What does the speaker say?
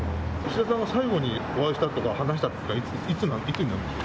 石田さんが最後にお会いしたとか話したのはいつになるんでしょうか？